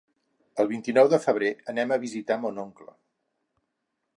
El vint-i-nou de febrer anem a visitar mon oncle.